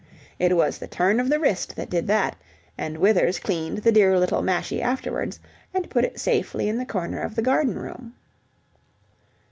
It was the turn of the wrist that did that, and Withers cleaned the dear little mashie afterwards, and put it safely in the corner of the garden room.